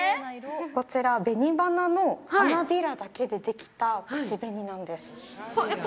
こちら紅花の花びらだけでできた口紅なんですえっ